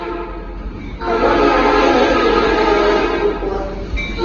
Колонна күҙ асып йомған арала юҡ була.